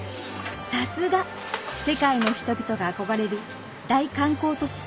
さすが世界の人々が憧れる大観光都市